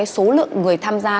số lượng người tham gia